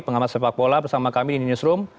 pengamat sepak bola bersama kami di newsroom